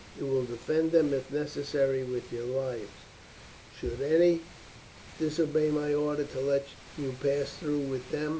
You will defend them, if necessary, with your lives, should any disobey my order to let you pass through with them.